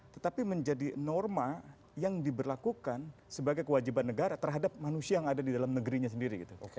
tetapi menjadi norma yang diberlakukan sebagai kewajiban negara terhadap manusia yang ada di dalam negerinya sendiri gitu